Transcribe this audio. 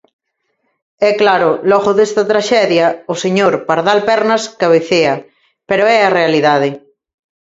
E, claro, logo desta traxedia ―o señor Pardal Pernas cabecea, pero é a realidade.